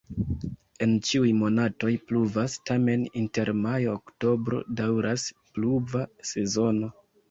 En ĉiuj monatoj pluvas, tamen inter majo-oktobro daŭras la pluva sezono.